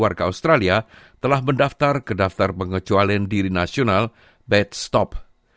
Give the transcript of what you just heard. enam belas warga australia telah mendaftar ke daftar pengecualian diri nasional bed stop